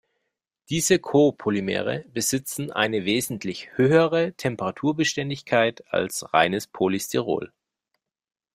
Diese Copolymere besitzen eine wesentlich höhere Temperaturbeständigkeit als reines Polystyrol.